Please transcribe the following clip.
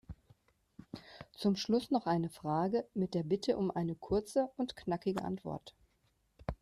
Zum Schluss noch eine Frage mit der Bitte um eine kurze und knackige Antwort.